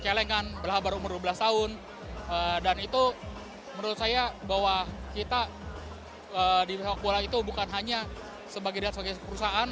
celengan baru umur dua belas tahun dan itu menurut saya bahwa kita di sepak bola itu bukan hanya sebagai perusahaan